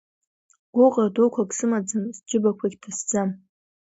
Гәыӷра дуқәак сымаӡам, сџьыбақәагь ҭацәӡам…